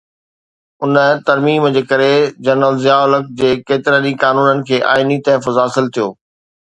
ان ترميم جي ڪري جنرل ضياءُ الحق جي ڪيترن ئي قانونن کي آئيني تحفظ حاصل ٿيو.